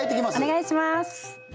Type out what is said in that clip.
お願いします！